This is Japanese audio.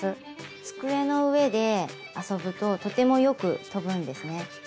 机の上で遊ぶととてもよく飛ぶんですね。